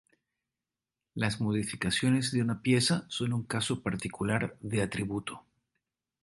Las modificaciones de una pieza son un caso particular de atributo.